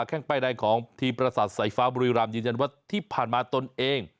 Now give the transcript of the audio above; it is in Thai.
แค่งไปรายของทีมประสัตว์ไสฟาบุรีรัมย์ยืนยันว่าที่ผ่านมาตนเอง